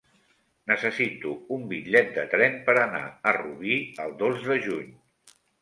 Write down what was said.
Necessito un bitllet de tren per anar a Rubí el dos de juny.